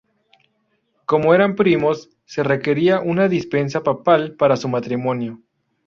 Como eran primos, se requería una dispensa papal para su matrimonio.